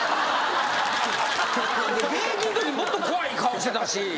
現役んときもっと怖い顔してたし。